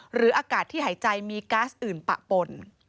หรืออากาศที่หายใจมีก๊าซอื่นปะปน